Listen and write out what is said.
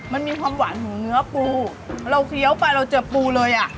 มันมีความหวานของเนื้อปูเราเคี้ยวไปเราเจอปูเลยอ่ะ